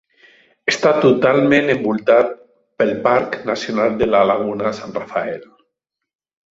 Està totalment envoltat pel parc nacional de la Laguna San Rafael.